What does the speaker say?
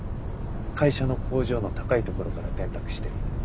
会社の工場の高い所から転落して。